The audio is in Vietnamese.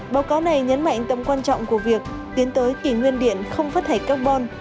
báo cáo này nhấn mạnh tầm quan trọng của việc tiến tới kỷ nguyên điện không phất thảy carbon